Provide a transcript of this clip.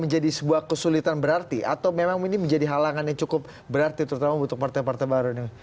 menjadi sebuah kesulitan berarti atau memang ini menjadi halangan yang cukup berarti terutama untuk partai partai baru ini